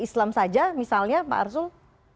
islam saja misalnya pak arsul